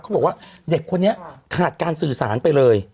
บอกว่าเด็กคนนี้ขาดการสื่อสารไปเลย